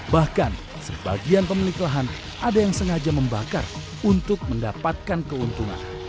bahkan sebagian pemilik lahan ada yang sengaja membakar untuk mendapatkan keuntungan